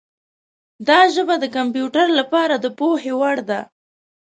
دا ژبه د کمپیوټر لپاره د پوهې وړ ده.